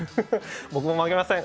僕も負けません